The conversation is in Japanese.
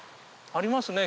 ありますね